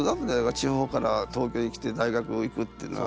地方から東京に来て大学行くっていうのは。